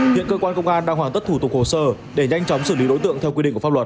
hiện cơ quan công an đang hoàn tất thủ tục hồ sơ để nhanh chóng xử lý đối tượng theo quy định của pháp luật